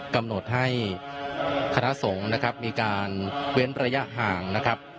กำหนดให้คณะสงฆ์นะครับมีการเว้นระยะห่างนะครับ